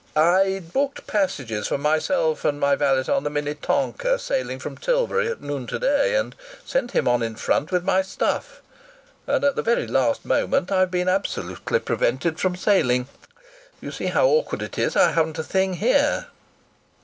"I'd booked passages for myself and my valet on the Minnetonka, sailing from Tilbury at noon to day, and sent him on in front with my stuff, and at the very last moment I've been absolutely prevented from sailing! You see how awkward it is! I haven't a thing here."